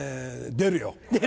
「出るよ」。